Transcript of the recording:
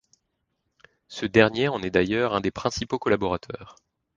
Ce dernier en est d'ailleurs un des principaux collaborateurs.